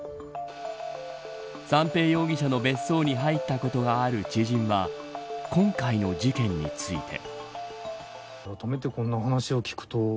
三瓶容疑者の別荘に入ったことがある知人は今回の事件について。